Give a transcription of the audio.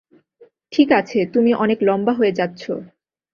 ঠিক আছে - তুমি অনেক লম্বা হয়ে যাচ্ছ।